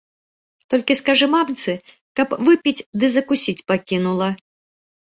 Толькі скажы мамцы, каб выпіць ды закусіць пакінула.